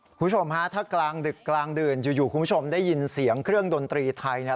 คุณผู้ชมฮะถ้ากลางดึกกลางดื่นอยู่คุณผู้ชมได้ยินเสียงเครื่องดนตรีไทยเนี่ย